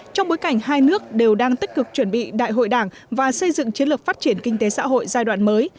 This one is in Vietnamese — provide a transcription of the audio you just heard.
trong bối cảnh hai nước đều đang tích cực chuẩn bị đại hội đảng và xây dựng chiến lược phát triển kinh tế xã hội giai đoạn mới